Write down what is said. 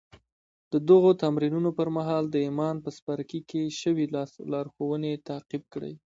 د دغو تمرينونو پر مهال د ايمان په څپرکي کې شوې لارښوونې تعقيب کړئ.